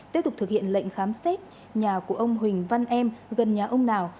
tiếp tục thực hiện lệnh khám xét nhà của ông huỳnh văn em gần nhà ông nào